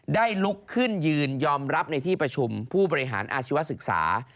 ลุกขึ้นยืนยอมรับในที่ประชุมผู้บริหารอาชีวศึกษา